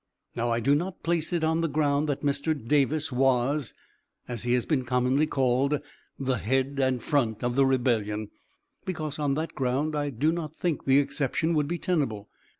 Now, I do not place it on the ground that Mr. Davis was, as he has been commonly called, the head and front of the rebellion, because, on that ground, I do not think the exception would be tenable.